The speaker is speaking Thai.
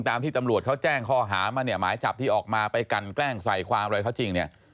ที่ตำรวจเขาแจ้งข้อหามาเนี่ยหมายจับที่ออกมาไปกันแกล้งใส่ความอะไรเขาจริงเนี่ย